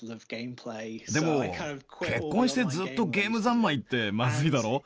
でも結婚してずっとゲーム三昧ってまずいだろ。